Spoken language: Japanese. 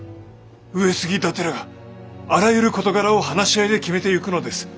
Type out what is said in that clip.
上杉伊達らがあらゆる事柄を話し合いで決めてゆくのです。